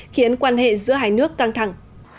khiến quan hệ giữa hai nước căng thẳng